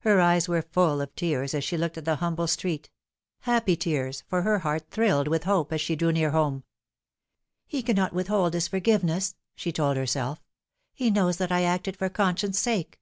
Her eyes were full of tears as she looked at the humble street : happy tears, for her heart thrilled with hope as she drew near home. " He cannot withhold his forgiveness," she told herself. " He knows that I acted for conscience' sake."